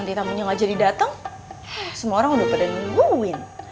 namanya gak jadi dateng semua orang udah pada nungguin